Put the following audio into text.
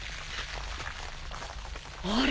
あれ？